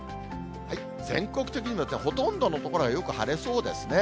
全国的にも、ほとんどの所がよく晴れそうですね。